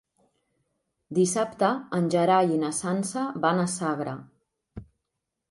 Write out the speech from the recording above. Dissabte en Gerai i na Sança van a Sagra.